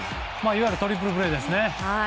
いわゆるトリプルプレーですね。